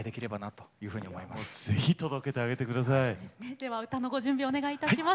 では歌のご準備お願いいたします。